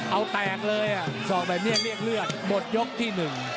เอาแตกเลยอ่ะสอกแบบนี้เรียกเลือดหมดยกที่หนึ่ง